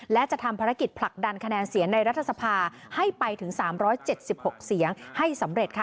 และจะทำภารกิจผลักดันคะแนนเสียงในรัฐสภาให้ไปถึง๓๗๖เสียงให้สำเร็จค่ะ